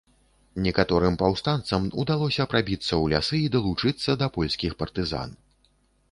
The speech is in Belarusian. Некаторым паўстанцам удалося прабіцца ў лясы і далучыцца да польскіх партызан.